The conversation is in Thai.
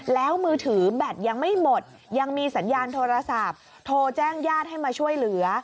แล้วมือถือแบตยังไม่หมดยังมีสัญญาณโทรศัพท์โทรแจ้งญาติให้มาช่วยเหลือ